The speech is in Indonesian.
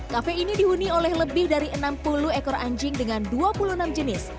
kafe ini dihuni oleh lebih dari enam puluh ekor anjing dengan dua puluh enam jenis